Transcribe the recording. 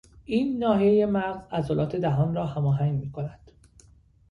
این ناحیهی مغز عضلات دهان را هماهنگ میکند.